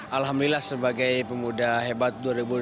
alhamdulillah sebagai pemuda hebat dua ribu delapan belas